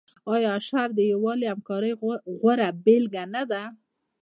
آیا اشر د یووالي او همکارۍ غوره بیلګه نه ده؟